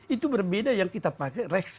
itu berbeda yang kita pakai reksa